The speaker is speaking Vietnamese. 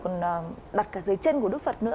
còn đặt cả dưới chân của đất phật nữa